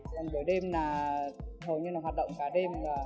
còn buổi đêm là hầu như là hoạt động cả đêm